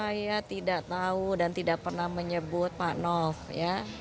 saya tidak tahu dan tidak pernah menyebut pak nof ya